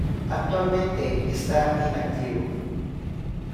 Actualmente esta inactivo.